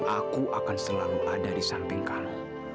aku akan selalu ada di samping kamu